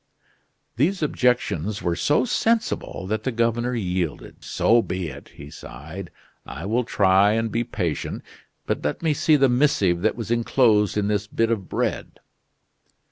These objections were so sensible that the governor yielded. "So be it," he sighed, "I will try and be patient. But let me see the missive that was enclosed in this bit of bread."